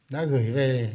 đã gửi về